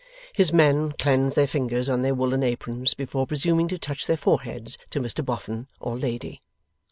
His men cleanse their fingers on their woollen aprons before presuming to touch their foreheads to Mr Boffin or Lady.